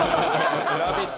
「ラヴィット！」